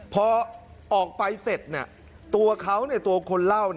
พอออกไปเสร็จตัวเขาตัวคนเล่า